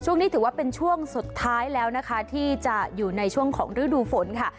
ถือว่าเป็นช่วงสุดท้ายแล้วนะคะที่จะอยู่ในช่วงของฤดูฝนค่ะ